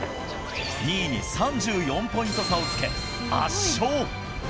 ２位に３４ポイント差をつけ、圧勝。